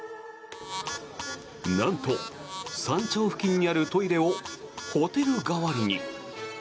なんと山頂付近にあるトイレをホテル代わりに。